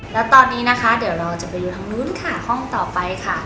แล้วตอนนี้นะคะเดี๋ยวเราจะไปดูทางนู้นค่ะห้องต่อไปค่ะ